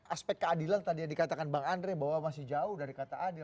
aspek keadilan tadi yang dikatakan bang andre bahwa masih jauh dari kata adil